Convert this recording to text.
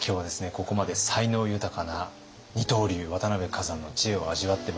ここまで才能豊かな二刀流渡辺崋山の知恵を味わってまいりました。